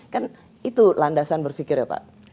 kan itu landasan berpikir ya pak